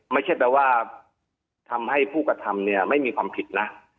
ไม่ใช่แปลว่าทำให้ผู้กระทำเนี่ยไม่มีความผิดนะ